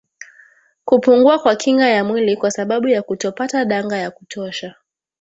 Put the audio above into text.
Kupungua kwa kinga ya mwili kwa sababu ya kutopata danga ya kutosha